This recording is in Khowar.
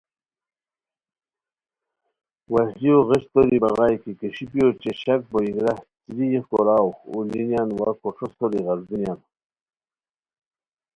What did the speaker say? وشلیو غیچ توری بغائے کیݰیپی اوچے شک بوئیکرہ چریغ کوراؤ اولوئینیان وا کوݯھو سوری غیردونیان